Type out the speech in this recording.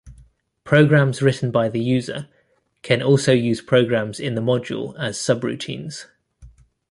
Programs written by the user can also use programs in the module as subroutines.